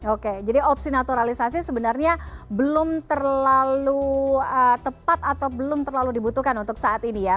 oke jadi opsi naturalisasi sebenarnya belum terlalu tepat atau belum terlalu dibutuhkan untuk saat ini ya